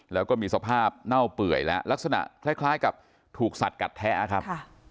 แล้วก็มีสภาพเน่าเปื่อยแล้วลักษณะคล้ายกับถูกสัดกัดแท้ครับ